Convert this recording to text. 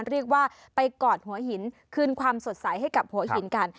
เรียกว่าไปกอดหัวหินคืนความสดใสให้กับหัวหินกัน